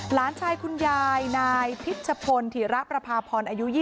หลานชายคุณยายนายพิชพลธิระประพาพรอายุ๒๐